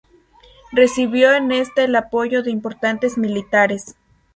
Recibió en esto el apoyo de importantes militares.